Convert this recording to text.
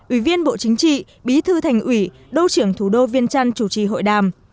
ủy viên bộ chính trị bí thư thành ủy đô trưởng thủ đô viên trăn chủ trì hội đàm